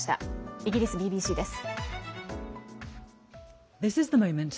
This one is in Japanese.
イギリスＢＢＣです。